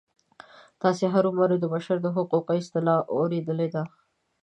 تاسې هرومرو د بشر د حقونو اصطلاح اوریدلې ده.